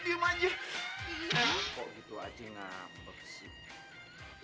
kok gitu aja ngambek sih